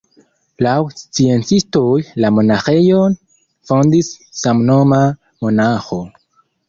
Laŭ sciencistoj, la monaĥejon fondis samnoma monaĥo.